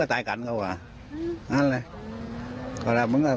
โกรธจากเรื่องอื่นต้องมารับเค้าแทนเพียงแค่อารมณ์โกรธจากเรื่องอื่น